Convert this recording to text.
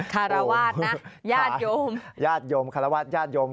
คารวาสนะญาติโยมญาติโยมคารวาสญาติโยม